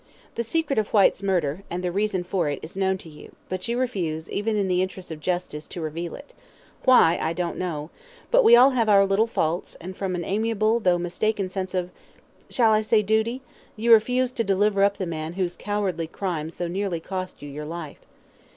The secret of Whyte's murder, and the reason for it, is known to you, but you refuse, even in the interests of justice, to reveal it why, I don't know; but we all have our little faults, and from an amiable though mistaken sense of shall I say duty? you refuse to deliver up the man whose cowardly crime so nearly cost you your life.